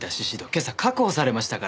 今朝確保されましたから。